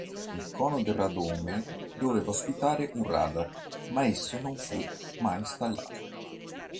Il cono del radome doveva ospitare un radar, ma esso non fu mai installato.